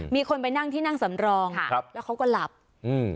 มีคนไปนั่งที่นั่งสำรองครับแล้วเขาก็หลับอืม